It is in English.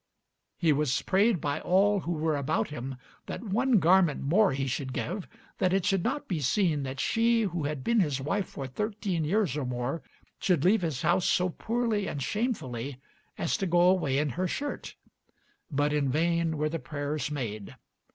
He was prayed by all who were about him that one garment more he should give, that it should not be seen that she who had been his wife for thirteen years or more should leave his house so poorly and shamefully as to go away in her shirt; but in vain were the prayers made.